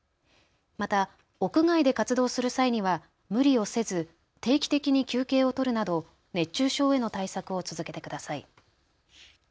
また屋外で活動する際には無理をせず定期的に休憩を取るなど熱中症への対策を続けてください。